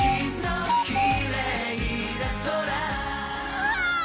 うわ！